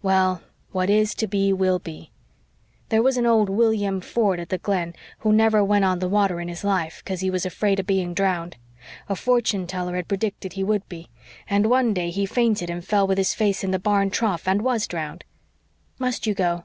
Well, what is to be will be. There was old William Ford at the Glen who never went on the water in his life, 'cause he was afraid of being drowned. A fortune teller had predicted he would be. And one day he fainted and fell with his face in the barn trough and was drowned. Must you go?